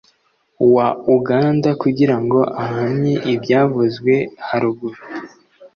wa uganda kugira ngo ahamye ibyavuzwe haruguru